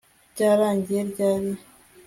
Byarangiye ryari